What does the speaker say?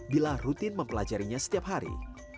bila rutin mempelajarinya setiap hari